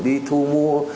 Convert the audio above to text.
đi thu mua